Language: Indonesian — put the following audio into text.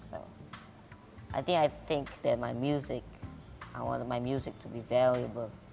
saya pikir saya ingin musik saya menjadi berharga